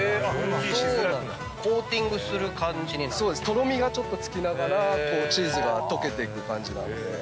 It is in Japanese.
とろみがつきながらチーズが溶けていく感じなんで。